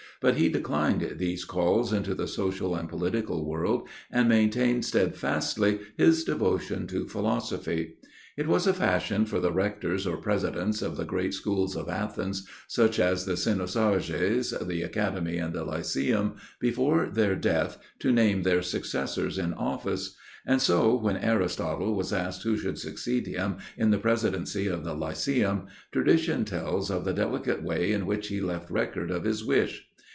But he declined these calls into the social and political world, and maintained steadfastly his devotion to philosophy. It was a fashion for the rectors or presidents of the great schools of Athens, such as the Cynosarges, the Academy, and the Lyceum, before their death to name their successors in office. And so when Aristotle was asked who should succeed him in the presidency of the Lyceum, tradition tells of the delicate way in which he left record of his wish.